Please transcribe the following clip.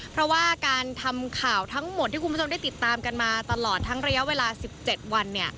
เพราะว่าการทำข่าวทั้งหมดที่คุณผู้ชมได้ติดตามกันมาตลอดทั้งระยะเวลา๑๗วัน